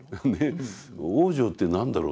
往生って何だろうと。